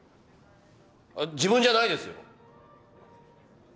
あっ自分じゃないですよ！